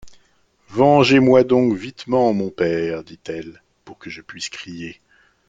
Vengez-moy doncques vitement, mon père, dit-elle, pour que ie puisse crier.